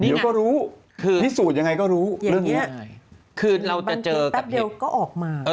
เดี๋ยวก็รู้พิสูจน์ยังไงก็รู้เรื่องนี้คือเราจะเจอแป๊บเดียวก็ออกมา